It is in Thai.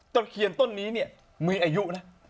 ตะเคียนต้นนี้มีอายุ๙๖๒